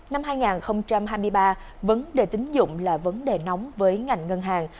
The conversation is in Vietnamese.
năm hai nghìn hai mươi ba vấn đề tính dụng là vấn đề nóng với ngành ngân hàng